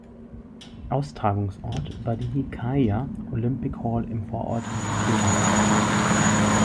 Austragungsort war die Nikaia Olympic Hall im Vorort Nikea.